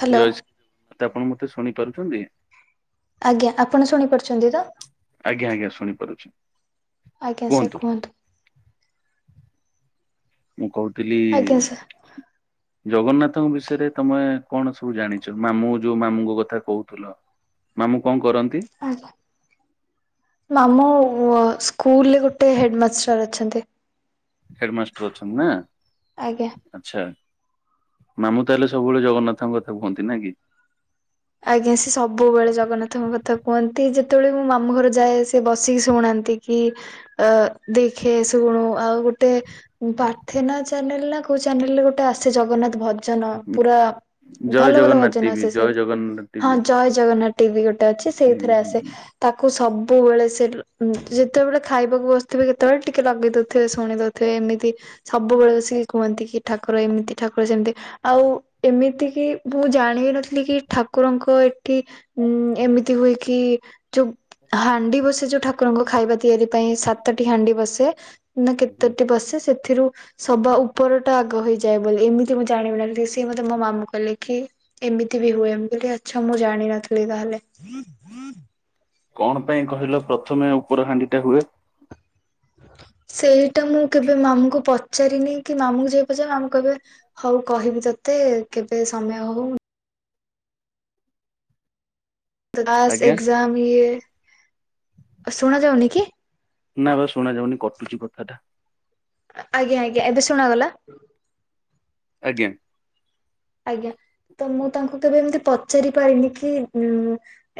Hello Jayashree ତ ଆପଣ ମତେ ଶୁଣିପାରୁଛନ୍ତି? ଆଜ୍ଞା, ଆପଣ ଶୁଣିପାରୁଛନ୍ତି ତ? ଆଜ୍ଞା, ଆଜ୍ଞା, ଶୁଣିପାରୁଛି। ଆଜ୍ଞା ସାର୍ କୁହନ୍ତୁ। ମୁଁ ଆଜ୍ଞା କହୁଥିଲି-ଇ ସାର୍ ଜଗନ୍ନାଥଙ୍କ ବିଷୟରେ ତମେ କଣ ସବୁ ଜାଣିଛ? ମାମୁଁ ଯୋଉ ମାମୁଁଙ୍କ କଥା କହୁଥିଲ! ମାମୁଁ କଣ କରନ୍? ଆଜ୍ଞ। ସ୍କୁଲରେ ଗୋଟେ ହେଡମାଷ୍ଟର ଅଛନ୍ତି। ହେଡମାଷ୍ଟର ଅଛନ୍ତି ନା ଆଜ୍ଞା। ଆଛା। ମାମୁ ତାହେଲେ ସବୁବେଳେ ଜଗନ୍ନାଥଙ୍କ କଥା କୁହନ୍ତି ନାକି। ଆଜ୍ଞା ସି ସବୁବେଳେ ଜଗନ୍ନାଥଙ୍କ କଥା କୁହନ୍ତି ଯେତେବେଳେ ମୁଁ ମାମୁ ଘର ଯାଏ ସେିଏ ବସିକି ଶୁଣାନ୍ତି। ଏମିତିକି ଦେଖେ ଶୁଣୁ ଆଉ ଗୋଟେ ପାଠେନା ଚ୍ୟାନେଲ। କୋଉ ଚାେଲରେ ଗୋଟେ ଆସେ ଜଗନ୍ନାଥ ଭଜନ ପୁରା ଜୟ ଭଲ ଭଲ ଜଗନ୍ନାଥ ଭଜନ ଟିଭି ଆସେ ଜୟ ସେ। ଜଗନ୍ନାଥ ହଁ ଟିଭି ଜୟ ଜଗନ୍ନାଥ ଟିଭି ଗୋଟେ ଅଛି ହୁଁ ସେଇଥିରେ ହୁଁ ଆସେ ତାକୁ ସବୁ ସବୁବେଳେ ସେ ଯେତେବେଳେ ଖାଇବାକୁ ବସିଥିବେ କେତେବେଳେ ଟିକେ ଲଗେଇଦଉଥିବେ ଶୁଣି ଦେଉଥିବେ ଏମିତି ସବୁବେଳେ ବସିକି କୁହନ୍ତି କି ଠାକୁର ଏମିତି ଠାକୁର ସେମିତି ଆଉ ଏମିତି କି ମୁଁ ଜାଣ ଜାଣିିବ ନଥିଲି କି ଠାକୁରଙ୍କ ଏଠି ଉଁ ଏମିତି ହୁଏ କି ଯୋଉ ହାଣ୍ଡି ବସି ଯୋଉ ଠାକୁରଙ୍କୁ ଖାଇବା। ତିଆରି ପାଇଁ ସାତଟି ହାଣ୍ଡି ବସେ ନା ହୁଁ। କେତୋଟି ବସେ ଏଥିରୁ ସବା ଉପରଟା ଆଗ ହେଇଯାଏ ବୋଲି ଏମିତି ମୁଁ ଜାଣିବି ନା ସେ ମତେ ମୋ ମାମୁ କହିଲେ କି ଏମିତି ବି ହୁଏ ଏମିତି ଆଚ୍ଛା ମୁଁ ଜାଣିନଥିଲି ତାହେଲେ। କଣ ପାଇଁ କହିଲ ପ୍ରଥମେ ଉପରହାାଣ୍ଡିଟା ହୁଏ। ସେଇଟା ମୁଁ କେବେ ମାମୁଙ୍କୁ ପଚାରିନି କି ମାମୁଁଙ୍କୁ ଯାଇ ପଚାରିବି ମାମୁଁ କେବେ ହଉ କହିବି ତତେ। ମତେ କେବେ ସମୟ ହଉ। କ୍ଲାସ ଆଜ୍ଞା ଏକ୍ଜାମ ଇଏ ଶୁଣ ଯାଉନି କି? ନା ବା ଶୁନାାଯାଉନ କଟୁଛି କଥାଟା। ଆଜ୍ଞା ଆଜ୍ଞା ଏବେ ଶୁଣାଗଲା। ଆଜ୍ଞ। ଆଜ୍ଞା। ତ ମୁଁ ତାଙ୍କୁ କେବେ ଏମତି ପଚାରି ପାରିନି କି ଉ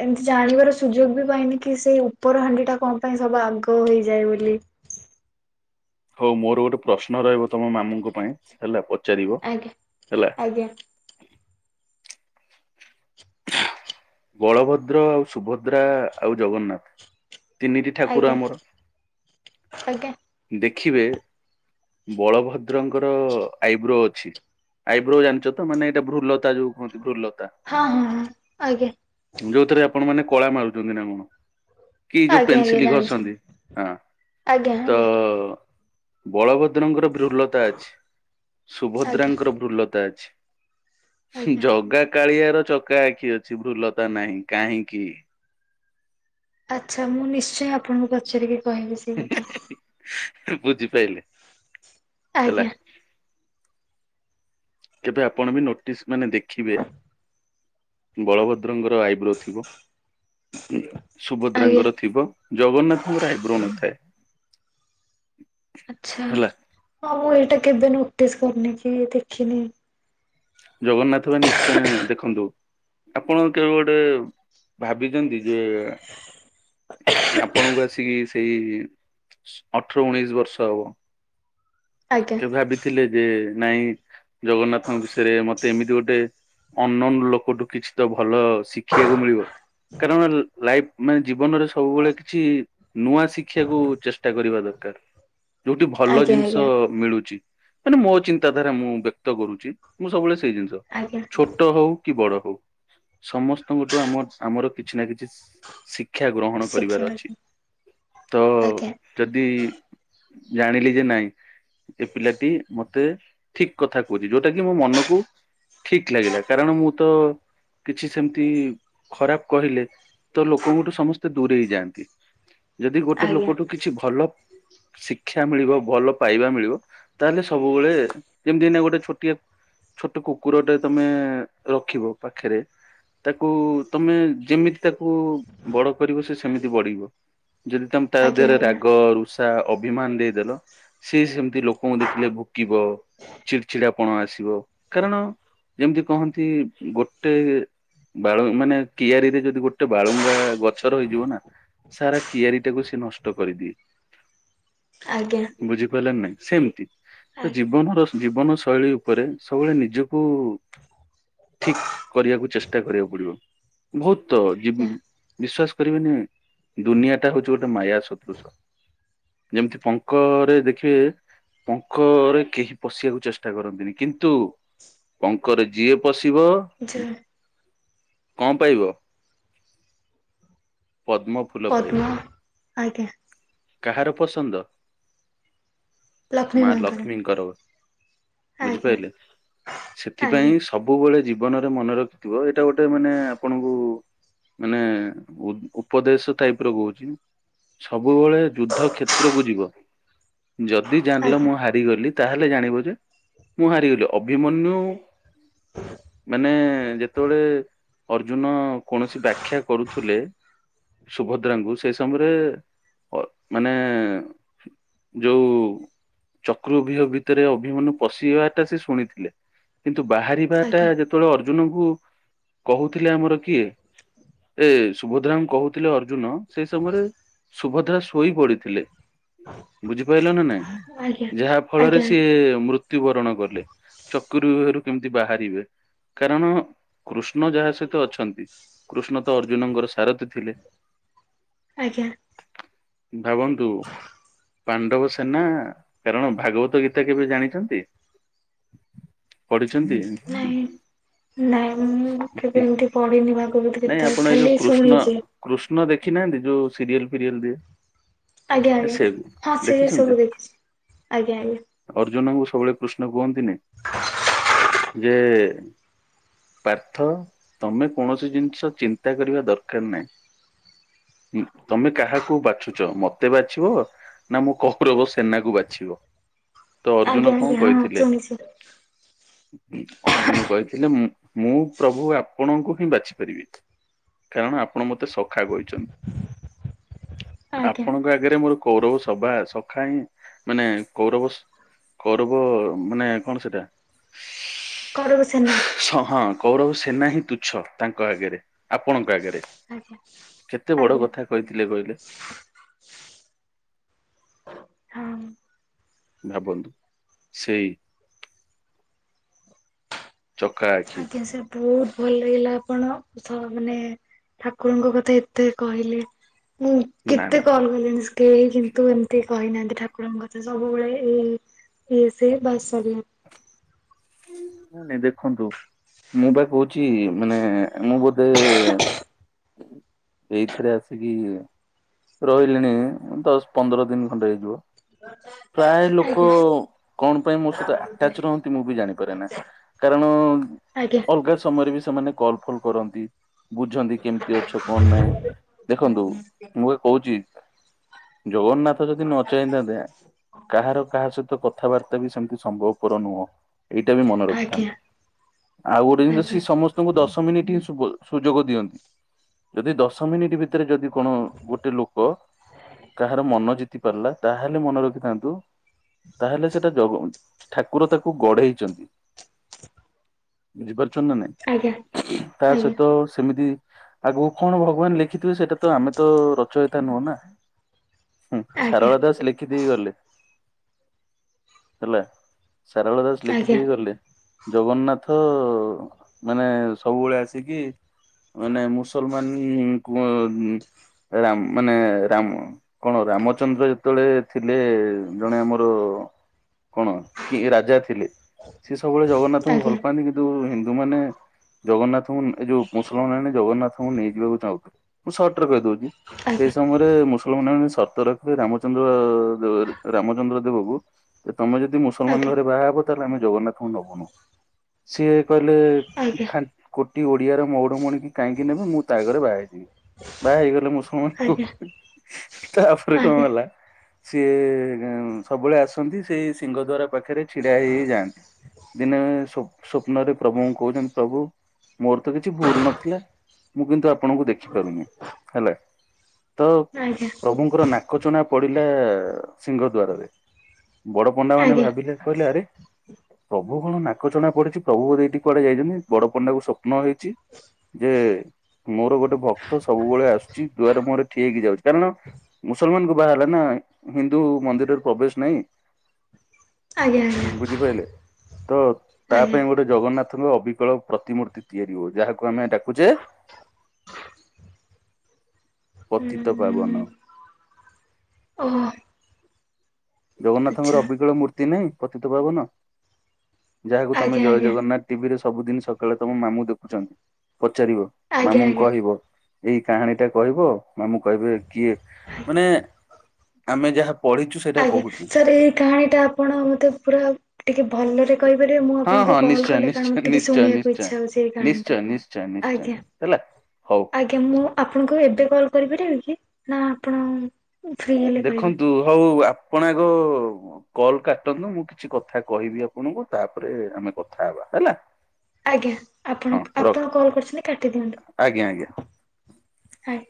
ଏମତି ଜାଣିବାର ସୁଯୋଗ ବି ପାଇନି କି। କି ସେଇ ଉପର ହାଣ୍ଡି ଟା କଣ ପାଇଁ ସବୁ ଆଗ ହେଇଯାଏ ବୋଲି। [unintelligible] ହଉ ମୋର ଗୋଟେ ପ୍ରଶ୍ନ ରହିବ ତମ ମାମୁଙ୍କ ପାଇଁ ହେଲା ପ ଆଜ୍ଞା ଆଜ୍ଞା। ବଳଭଦ୍ର ଆଉ ସୁଭଦ୍ରା ଆଉ ଜଗନ୍ନାଥ। ତିନିଟି ଠାକୁର ଆଜ୍ଞା ଆମର ଆଜ୍ଞା ଦେଖିବେ ବଳଭଦ୍ରଙ୍କର ଆଇବ୍ରୋ ଅଛି। ଆଇବ୍ରୋ ଜାଣିଛ ତ ମାନେ ଏଇଟା ଭୃଲତା ଯୋଉ କୁହନ୍ତି ଭୃଲତା। ହଁ ହଁ ଆଜ୍ଞା। ଯୋଉଥିରେ ଆପଣ ମାନେ କଳା ମାରୁଛନ୍ତି ନା କଣ। କି ଯୋଉ ଆଜ୍ଞା ଆଜ୍ଞା ପେନସିଲ ଜାଣିଛି ଘସଛନ୍ତି ହଁ ଆଜ୍ଞା ତ ଆଜ୍ଞା। ବଳଭଦ୍ରଙ୍କର ବୃଲତା ଅଛି ଆଜ୍ଞା ସୁଭଦ୍ରାଙ୍କର ବୃଲତା ଅଛି। ଆଜ୍ଞା ଜଗା କାଳିଆର ଚକା ଆଖି ଅଛି ଭୁଲତା ନାହିଁ କାହିଁକି? ଆଚଛା ମୁଁ ନିଶ୍ଚୟ ଆପଣଙ୍କୁ ପଚାରିକି କହିବି ସେଇ କଥା। ବୁଝି ପାଇଲେ ହେଲା। ଆଜ୍ଞା କେବେ ଆପଣ ବି ନୋଟିସ୍ ମାନେ ଦେଖିବେ ବଳବଦ ରଙ୍ଗର ଆଇବ୍ରୋ ଥିବ। ଆଜ୍ଞା ସୁଭଦ୍ରାଙ୍କର ଥିବ ଜଗନ୍ନାଥଙ୍କର ଆଇବ୍ର ନ ଥାଏ। ଆଛା ହଁ ମୁଁ ଏଇଟା କେବେ ନୋଟିସ କରିନି କି ଦେଖିନି। ଜଗନ୍ନାଥ ଭ ନିଶ୍ଚୟ ଦେଖନ୍ତୁ। ଆପଣ କେବେ ଗୋଟେ ଭାବିଛନ୍ତି ଯେ ଆପଣଙ୍କୁ ଆସିକି ସେଇ ଅଠର ଉଣେଇଶି ବର୍ଷ ହବ। ଆଜ୍ଞା। କେ ଭାବିଥିଲେ ଯେ ନାଇଁ ଜଗନ୍ନାଥଙ୍କ ବିଷୟରେ ମତେ ଏମିତି ଗୋଟେ। ଅନନୋନ ଲୋକଠୁ କିଛି ତ ଭଲ ଶିଖିବାକୁ ମିଳିବ କାରଣ ଲାଇଫ ମାନେ ଜୀବନରେ ସବୁବେଳେ କିଛି ନୂଆ ଶିଖିବାକୁ ଚେଷ୍ଟା କରିବା ଦରକାର। ଯୋଉଠି ଭଲ ଆଜ୍ଞା ଜିନିଷ ଆଜ୍ଞା ମିଳୁଛି ମାନେ ମୋ ଚିନ୍ତାଧାରା ମୁଁ ବ୍ୟକ୍ତ କରୁଛି ମୁଁ ସବୁବେଳେ ସେଇ ଜିନିଷ ଆଜ୍ଞା ଛୋଟ ହଉ କି ବଡ ହଉ ସମସ୍ତଙ୍କଠୁ ଆମ ଆମର କିଛି ନା କିଛି ଶିକ୍ଷା ଗ୍ରହଣ ଶିଖିବା କରିବାର ଅଛି। ତ ଆଜ୍ଞା। ଯଦି ଜାଣିଲି ଯେ ନାଇଁ ଏ ପିଲାଟି ମତେ ଠିକ କଥା କହୁଛି ଯୋଉଟା କି ମୋ ମନକୁ ଠିକ ଲାଗିଲା କାରଣ ମୁଁ ତ କିଛି ସେମିତି ଖରାପ କହିଲେ ତ ଲୋକଙ୍କଠୁ ସମସ୍ତେ ଦୂରେଇଯାଆନ୍ତି। ଯଦି ଗୋଟେ ଆଜ୍ଞା ଲୋକଠୁ କିଛି ଭଲ ଶିକ୍ଷା ମିଳିବ ଭଲ ପାଇବା ମିଳିବ। ତାହେଲେ ସବୁବେଳେ ଯେମିତିନା ଗୋଟେ ଛୋଟିଆ ଛୋଟ କୁକୁରଟା ତମେ ରଖିବ ପାଖରେ ତାକୁ ତମେ ଯେମିତି ତାକୁ ବଡ କରିବ ସେ ସେମିତି ବଢିବ ଯଦି ତମେ ତା ଆଜ୍ଞା ଦେହରେ ଆଜ୍ଞା ରାଗ ରୁଷା ତା ଅଭିମାନ ଦେଇଦଲ ସେ ସେମିତି ର ମୁଁ ଦେଖିଲେ ଭୁକିବ ଚିଡିଚିଡାପଣ ଆସିବ କାରଣ ଯେମିତି କହନ୍ତି ଗୋଟେ ବାଳ ମାନେ କିଆରୀରେ ଯଦି ଗୋଟେ ବାଳୁଙ୍ଗା ଗଛ ରହିଯିବ ନା ସାରା କିଆରି ଟାକୁ ସେ ନଷ୍ଟ କରିଦିଏ। ଆଜ୍ଞା ବୁଝିପାରିଲେ ନାଁ ନାଇଁ ସେମିତି ତ ଆଜ୍ଞା ଜୀବନର ଜୀବନ ଶୈଳୀ ଉପରେ ସବୁବେଳେ ନିଜକୁ ଠିକ୍ କରିବାକୁ ଚେଷ୍ଟା କରିବାକୁ ପଡିବ। ବହୁତ ତ ଆଜ୍ଞା ବିଶ୍ୱାସ କରିବନି ଦୁନିଆଟା ହଉଛି ଗୋଟେ ମାୟା ସଦୃଶ। ଯେମିତି ପଙ୍କଅରେ ଦେଖିବେ ପଙ୍କଅରେ କେହି ପଶିବାକୁ ଚେଷ୍ଟା କରନ୍ତିନି କିନ୍ତୁ ପଙ୍କରେ ଯିଏ ପଶି ଟିବ ଯ କଣ ପାଇବ ପଦ୍ମ ଫୁଲ ପଦ୍ମ ପାଇବ। ଆଜ୍ଞା କାହାର ପସନ୍ଦ ଲକ୍ଷ୍ମୀ ମା ମାଙ୍କର ଲକ୍ଷ୍ମୀଙ୍କର। ଆଜ୍ଞା ବୁଝିପାରିଲେ ସେଥିପାଇଁ ଆଜ୍ଞା ସବୁବେଳେ ଜି ଜୀବନରେ ମନେ ରଖିଥିବ ଏଇଟା ଗୋଟେ ମାନେ ଆପଣଙ୍କୁ ମାନେ ଉ ଉପଦେଶ ଟାଇପର କହୁଛି। ସବୁବେଳେ ଯୁଦ୍ଧ କ୍ଷେତ୍ରକୁ ଯିବ। ଯଦି ଜାଣିଲ ଆଜ୍ଞା ମୁଁ ହାରିଗଲି ତାହେଲେ ଜାଣିବ ଯେ ମୁଁ ହାରିଗଲି ଅଭିମନ୍ୟୁ ମାନେ ଯେତେବେଳେ ଅର୍ଜୁନ କୌଣସି ବାଖ୍ୟା କରୁଥିଲେ। ସୁଭଦ୍ରାଙ୍କୁ ସେଇ ସମୟରେ ଅ ମାନେ ଯୋଉ ଚକ୍ରୁବିହ ଭିତରେ ଅଭିମନ୍ୟୁ ପଶିବାଟା ସେ ଶୁଣିଥିଲେ କିନ୍ତୁ କିନ୍ତୁ ଆଜ୍ଞା ବାହାରିବାଟା ଆଜ୍ଞା ଯେତେବେଳେ ଅର୍ଜୁନଙ୍କୁ କହୁଥିଲେ ଆମର କିଏ ଏ ସୁଭଦ୍ରା କହୁଥିଲେ ଅର୍ଜୁନ ସେଇ ସମୟରେ ସୁଭଦ୍ରା ଶୋଇ ପଡ଼ିଥିଲେ। ବୁଝିପାରିଲ ନାଁ ଆଜ୍ଞା ନାଇଁ ଯାହା ଫଳରେ ସିଏ ଆଜ୍ଞା ମୃ ମୃତୁବରଣ କଲେ ଚକ୍ରୁବ୍ୟୁହରୁ କେମିତି ବାହାରିବେ କାରଣ କୃଷ କୃଷ୍ଣ ଯାହା ସହିତ ଅଛନ୍ତି କୃଷ୍ଣତ ଅର୍ଜୁନଙ୍କର ସାରଥୀ ଥିଲେ। ଆଜ୍ଞା। ଭାବନ୍ତୁ। ପାଣ୍ଡବସେନା କାରଣ ଭାଗବତଗୀତା କେବେ ଜାଣିଛନ୍ତି? ପଢିଛନ୍ତି? ନାଇଁ ନାଇଁ ମୁଁ କେବେ ଏମତି ପଢିନି ଭାଗବତଗୀତା ଖାଲି ଶୁଣିଛି। ନା ଦେଖିନାହାନ୍ତି ଯୋଉ ସିରିଏଲ ଫିରିଏଲେ ଆଜ୍ଞା ଦିଏ ଆଜ୍ଞା ସେ ବି ହଁ ସେ ସବୁ ଦେଖିଛି ଆଜ୍ଞା ଆଜ୍ଞା। ଅର୍ଜନଙ୍କୁ ସବୁବେଳେ କୃଷ୍ଣ କୁହନ୍ତିନି। ଯେ ପାର୍ଥ ତମେ କୌଣସି ଜିନିଷ ଚିନ୍ତା କରିବା ଦରକାର ନାହିଁ। ତମେ କାହାକୁ ବାଛୁଚ ମତେ ବାଛିବ ନା ମୋ କକୁରବ ସେନାକୁ ବାଛିବ। ତ ଆଜ୍ଞା ଅର୍ଜୁନ ଆଜ୍ଞା କଣ ହଁ କହିଥିଲେ? ଶୁଣିଛି ଅର୍ଜୁନ କହିଥିଲେ ମୁଁ ପ୍ରଭୁ ଆପଣଙ୍କୁ ହିଁ ବାଛି ପାରିବି। କାରଣ ଆପଣ ମୋତେ ସଖା କହିଛନ୍ତି। ଆଜ୍ଞା ଆପଣଙ୍କ ଆଗରେ ମୋର କୌରବ ସଭା ସଖା ହିଁ ମାନେ କୌରବ କୋଉରବ ମାନେ କଣ ସେଟା କରବ ସେନା [inaudible] ହଁ କୌରବ ସେନା ହିଁ ତୁଛ ତାଙ୍କ ଆଗରେ ଆପଣ ଆଗରେ ଆଜ୍ଞା। କେତେ ବଡ଼ ଆଜ୍ଞା କଥା କହିଥିଲେ କହିଲେ। ହଁ। ଭାବନ୍ତୁ ସେଇ ଚକା ଆଖି ଆଜ୍ଞା ସାର୍ ବହୁତ ଭଲ ଲାଗିଲା ଆପଣ ମାନେ ଠାକୁରଙ୍କ କଥା ଏତେ କହିଲେ। ମୁଁ ନା କେତେ ନା କଲ୍ କଲିଣିି କେହି କିନ୍ତୁ ଏମିତି କହିନାହାନ୍ତି। ଠାକୁରଙ୍କ କଥା ସବୁବେଳେ ଏଇ ଇଏ ସେ ବାସ ଦି ନାଇଁ ନାଇଁ ଦେଖନ୍ତୁ। ମୁଁ ପାଇଁ କହୁଛି ମାନେ ମୁଁ ବୋଧେ [inaudible] ଏଇଥିରେ ଆସିକି ରହିଲିଣି ଦଶ ପନ୍ଦର ଦିନ ଖଣ୍ଡେ ହେଇଯିବ। ପ୍ରାୟ ଲୋକ ଆଜ୍ଞା କଣ ପାଇଁ ମୋ ସହିତ ଆଟାଚ ରହନ୍ତି ମୁଁ ବି ଜାଣିି କାରଣ ଆଜ୍ଞା ଅଲଗା ସମୟରେ ବି ସେମାନେ କଲ ଫଲ କରନ୍ତି। ବୁଝନ୍ତି କେମିତି ଅଛ କଣ ନାଇଁ ଦେଖନ୍ତୁ ମୁଁ ଏ କହୁଛି ଜଗନ୍ନାଥ ଯଦି ନ ଚାହିଁଥାନ୍ତେ କାହାର କାହା ସତ କଥାବାର୍ତ୍ତା ବି ସେମିତି ସମ୍ଭବପର ନୁହଁ। ଏଇଟା ବି ମନେ ଆଜ୍ଞା ରଖିଥାନ୍ତି। ଆଉ ଗୋଟେ ଜିନିଷ ସେ ଆଜ୍ଞା ସମସ୍ତଙ୍କୁ ଦଶ ମିନିଟ ହିଁ ସୁଯୋଗ ଦିଅନ୍ତି ଯଦି ଦଶ ମିନିଟ ଭିତରେ ଯଦି କଣ ଗୋଟେ ଲୋକ କାହାର ମନ ଜିତି ପାରିଲା ତାହେଲେ ମନେ ରଖିଥାନ୍ତୁ ତାହେଲେ ସେଟା ଜଗ ଠାକୁର ତାକୁ ଗଢେଇ ଛନ୍ତି। ବୁଝିପା ନାଇଁ ଆଜ୍ଞା ତା ଆଜ୍ଞା। ସହିତ ସେମିତି ଆଗକୁ କଣ ଭଗବାନ ଲେଖିଥିବେ ସେଇଟା ତ ଆମେ ତ ରଚୟଥା ନୁହଁ ନା। ହୁଁ ଆଜ୍ଞା ସାରଳା ଦାସ ଲେଖି ଦେଇ ଗଲେ ହେଲା ସାରଳା ଦାସ ଆଜ୍ଞା ଦେଇ ଗଲେ ଜଗନ୍ନାଥ ମାନେ ସବୁବେଳେ ଆସିକି ମାନେ ମୁସଲମାନ ରାମ ମାନେ ରାମ କଣ ରାମଚନ୍ଦ୍ର ଯେତେବେଳେ ଥିଲେ ଜଣେ ଆମର କଣ କି ରାଜା ଥିଲେ ସିଏ ସବୁବେଳେ ଜଗନ୍ନାଥଙ୍କୁ ଭଲ ଆଜ୍ଞା ପାଆନ୍ତି। କିନ୍ତୁ ହିନ୍ଦୁ ମାନେ ଜଗନ୍ନାଥ ଏ ଯୋଉ ମୁସଲମାନେ ଜଗନ୍ନାଥଙ୍କୁ ନେଇ ଯିବାକୁ ଚାହୁଁ ମୁଁ ସଟରେ କହିଦେଉଛି। ସେଇ ସମୟରେ ମୁସଲମାନ ମାନେ ସର୍ତ ରଖିବେ ରାମଚନ୍ଦ୍ର ଦେ ରାମଚନ୍ଦ୍ର ଦେବକୁ ତମେ ଯଦି ମୁସଲମାନ ଆଜ୍ଞା ଘରେ ବାହା ହବ ତାହେଲେ ଆମେ ଜଗନ୍ନାଥଙ୍କୁ ନବୁନୁ ସିଏ କହିଲେ ଆଜ୍ଞା କୋଟି ଓଡିଆର ମଉଡ ମଣିକି କାହିଁକି ନେବେ ମୁଁ ତା ଘରେ ବାହାହେଇଯିବି। ବାହା ହେଇଗଲେ ମୁସଲମାନ କ ଆଜ୍ଞା ତାପରେ କଣ ଆଜ୍ଞା ହେଲା ସିଏ ଗେଁ ସବୁବେଳେ ଆସନ୍ତି ସେଇ ସିଙ୍ଗ ଦ୍ଵାର ପାଖରେ ଛିଡା ହେଇ ହେଇ ଯାଆନ୍ତି। ଦିନେ ସ୍ବ ସ୍ବପ୍ନରେ ପ୍ରଭୁଙ୍କୁ କହୁଛନ୍ତି ପ୍ରଭୁ ମୋର ତ କିଛି ଭୁଲ ନଥିଲା ମୁଁ କିନ୍ତୁ ଆପଣଙ୍କୁ ଦେଖି ପାରୁନି? ହେଲା। ତ ପ୍ରଭୁଙ୍କର ନାକ ଚଣା ପଡିଲା ସିଙ୍ଘ ଦ୍ବାରରେ। ବଡ ପଣ୍ଡା ଆଜ୍ଞା ଆଜ୍ଞା ମାନେ ଆଜ୍ଞା ଭାବିଲେ କହିଲେ ଆରେ ପ୍ରଭୁ କଣ ନାକଚଣା ପଡିଛି। ପ୍ରଭୁ [unintelligible] କୁଆଡେ ଯାଇଛନ୍ତି ବଡ ପଣ୍ଡାକୁ ସ୍ବ ନ ହେଇଛି। ଯେ ମୋର ଗୋଟେ ଭକ୍ତ ସବୁବେଳେ ଆସୁଛି। ଦୁଆରେ ମୋର ଠିଆହେଇକି ଯାଉଛି। କାରଣ ମୁସଲମାନକୁ ବାହା ହେଲା ନା ହିନ୍ଦୁ ମନ୍ଦିରରେ ପ୍ରବେଶ ନାହିଁ। ଆଜ୍ଞା ବୁଝିପାଇଲେ ତ ଆଜ୍ଞା ତା ଆଜ୍ଞା ପାଇଁ ଗୋଟେ ଜଗନ୍ନାଥ ଥଙ୍କ ଅବିକଳ ପ୍ରତିମୂର୍ତ୍ତି ତିଆରି ହଉ ଯାହାକୁ ଆମେ ଡାକୁଛେ ପତିିତ ପାବନ। ହୁଁ ଓହୋ ଜଗନ୍ନାଥଙ୍କର ଆଚ୍ଛା ଅବିକଳ ମୂର୍ତ୍ତି ନାହିଁ? ପତିତ ପାବନ। ଯାହାକୁ ତମେ ଆଜ୍ଞା ଜୟ ଆଜ୍ଞା ଜଗନ୍ନାଥ ଟିଭିରେ ସବୁଦିନ ସକାଳେ ତମ ମାମୁଁ ଦେଖୁଛନ୍ତି। ପଚାରିବ ଆଜ୍ଞା ମାମୁଁଙ୍କୁ ଆଜ୍ଞା କହିବ ଏଇ କାହାଣୀଟା କହିବ ମାମୁଁ କହିବେ କିଏ? ମାନେ ଆମେ ଯାହା ପଢିଛୁ ସେଇଟା [unintelligible] କହୁଛି ସାର୍ ଏଇ କାହାଣୀ ଟା ଆପଣ ମତେ ପୁରା ଟିକେ ଭଲରେ କହିପାରିବେ ମୁଁ ହଁ ଆପଣଙ୍କୁ ହଁ କଲ୍ ନିଶ୍ଚୟ କଲେ କାରଣ ନିଶ୍ଚୟ ଟିକେ ନିଶ୍ଚୟ ଶୁଣିବାକୁ ନିଶ୍ଚୟ। ଇଚ୍ଛା ହଉଛି ଏଇ କାହାଣୀଟା ନିଶ୍ଚୟ ନିଶ୍ଚୟ ନିଶ୍ଚୟ ଆଜ୍ଞା। ହେଲା ହଉ। ଆଜ୍ଞା ମୁଁ ଆପଣଙ୍କୁ ଏବେ କଲ କରିପାରିବି କି? ନା ଆପଣ ଫ୍ରି ହେଲେ କହିବେ ଦେଖନ୍ତୁ ହଉ ଆ ପଣ ଆଗ କଲ କାଟନ୍ତୁ। ମୁଁ କିଛି କଥା କହିବି ଆପଣଙ୍କୁ। ତାପରେ ଆମେ କଥା ହେବା। ହେଲା। ଆଜ୍ଞା ଆପଣ ହଁ ର ଆପଣ କଲ କରିଛନ୍ତି କାଟି ଦିଅନ୍ତୁ। ଆଜ୍ଞା ଆଜ୍ଞା। ହାଏ।